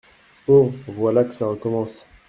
Oh ! voilà que ça recommence !